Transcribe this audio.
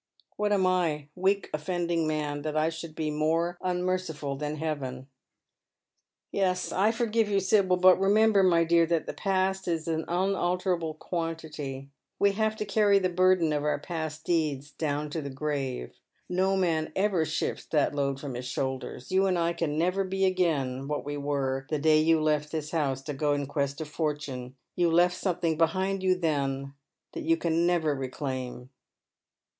What am I, weak offending man, that I should be more unmerciful than Heaven ? Yes, I forgive you, Sibyl ; but remember, my dear, that the past is an unalter vlile quantity. We have to carry the burden of our past deeds «!own to the grave. No man ever shifts tliat load from hia ijlioulders. You and I can never be again what we were the day you left tliis house to go in quest of fortune. You left eome Uiing behind you then that you can never reclaim."